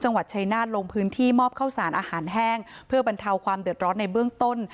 จังหวัดชายนาฏลงพื้นที่มอบเข้าสารอาหารแห้งเพื่อบรรเทาความเดือดร้อนในเบื้องต้น